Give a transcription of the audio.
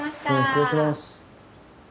失礼します。